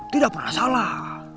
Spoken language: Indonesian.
tidak pernah salah